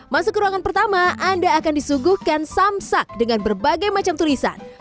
masuk ke ruangan pertama anda akan disuguhkan samsak dengan berbagai macam tulisan